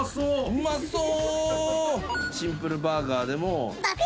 うまそう。